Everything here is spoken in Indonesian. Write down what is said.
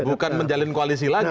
bukan menjalin koalisi lagi